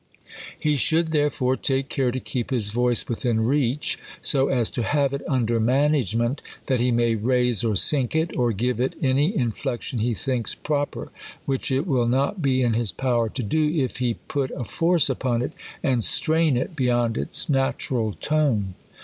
He should therefore take care to keep his voice within reach, so as to have it under management, that he may raise or sink it, or give it any inflection he thinks prop er ; which it will not be in his power to do, if he put a force upon it, and strain it, beyond its natural tone.